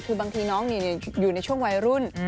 คือบางทีน้องอยู่ในช่วงวัยรุ่น